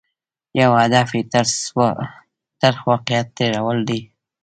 یو هدف یې ترخ واقعیتونه تېرول دي.